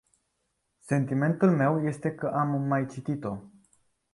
Sentimentul meu este că am mai citit-o.